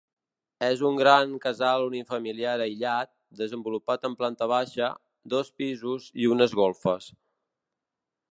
És un gran casal unifamiliar aïllat, desenvolupat en planta baixa, dos pisos i unes golfes.